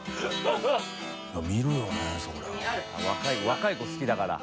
若い子好きだから。